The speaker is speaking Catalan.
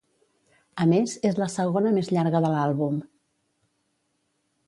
A més, és la segona més llarga de l'àlbum.